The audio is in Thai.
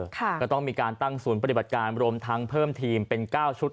ก็ต้องมีการตั้งศูนย์ปฏิบัติการรวมทั้งเพิ่มทีมเป็น๙ชุด